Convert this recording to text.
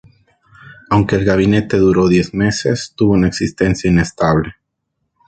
Aunque el gabinete duró diez meses, tuvo una existencia inestable.